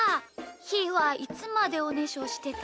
ひーはいつまでおねしょしてた？